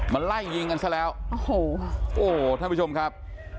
มันไล่ยิงกันซะแล้วโอ้โหท่านผู้ชมครับ